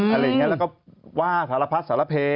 อะไรอย่างนี้แล้วก็ว่าสารพัดสารเพ